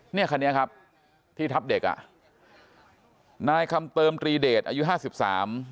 เนี่ยคันนี้ครับที่ทับเด็กอ่ะนายคำเติมตรีเดชอายุห้าสิบสาม